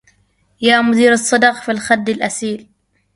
يا مدير الصدغ في الخد الأسيل